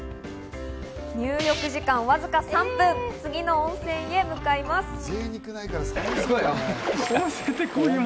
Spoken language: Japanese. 入浴時間わずか３分、次の温泉へ向かいます。